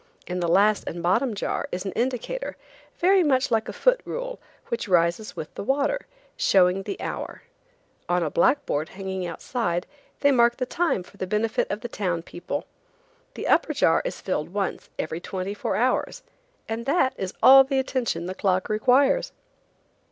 In the last and bottom jar is an indicator, very much like a foot rule, which rises with the water, showing the hour. On a blackboard hanging outside, they mark the time for the benefit of the town people. The upper jar is filled once every twenty fear hours, and that is all the attention the clock requires.